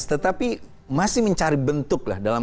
tetapi masih mencari bentuk